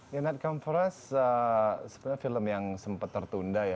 the night comes for us sebenarnya film yang sempat tertunda ya